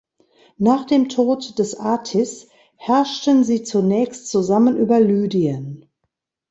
Nach dem Tod des Atys herrschten sie zunächst zusammen über Lydien.